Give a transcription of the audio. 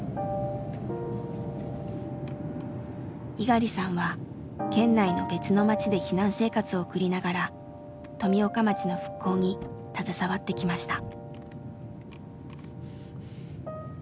猪狩さんは県内の別の町で避難生活を送りながら富岡町の復興に携わってきました。